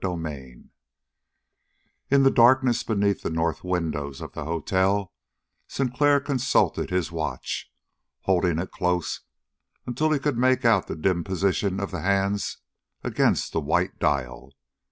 22 In the darkness beneath the north windows of the hotel, Sinclair consulted his watch, holding it close until he could make out the dim position of the hands against the white dial.